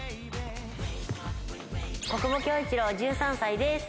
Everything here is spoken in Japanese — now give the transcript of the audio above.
小久保向一朗１３歳です。